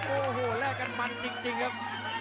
โอ้โหแลกกันมันจริงครับ